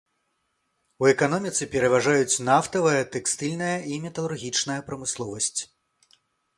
У эканоміцы пераважаюць нафтавая, тэкстыльная і металургічная прамысловасць.